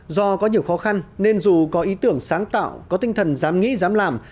do có nhiều khó khăn nên dù có ý tưởng sáng tạo có tinh thần dám nghĩ dám làm